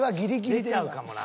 出ちゃうかもなぁ。